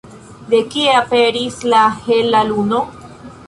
De kie aperis la hela luno?